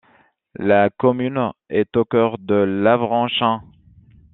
La commune est au cœur de l'Avranchin.